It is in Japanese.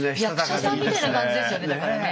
役者さんみたいな感じですよねだからね